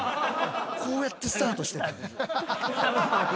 こうやってスタートしてた。